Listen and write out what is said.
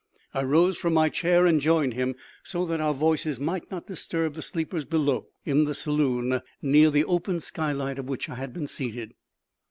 I rose from my chair and joined him, so that our voices might not disturb the sleepers below in the saloon, near the open skylight of which I had been seated.